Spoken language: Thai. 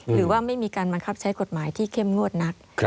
หรือว่าไม่มีการบังคับใช้กฎหมายที่เข้มงวดนัก